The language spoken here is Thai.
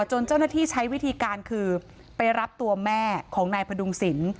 จนเจ้าหน้าที่ใช้วิธีการคือไปรับตัวแม่ของนายพดุงศิลป์